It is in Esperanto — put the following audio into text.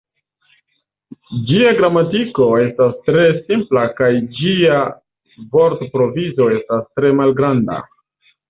Ĝia gramatiko estas tre simpla kaj ĝia vortprovizo estas tre malgranda.